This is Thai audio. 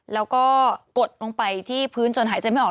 แล้วก็กดลงไปที่พื้นจนหายใจไม่ออก